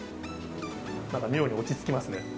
なんか妙に落ち着きますね。